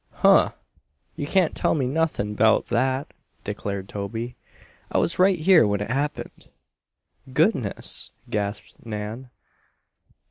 "Huh! Ye can't tell me nothin' 'beout that!" declared Toby. "I was right here when it happened." "Goodness!" gasped Nan.